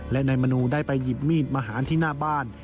และนายมนูได้ไปหยิบมีดมาหาที่หน้าบ้าน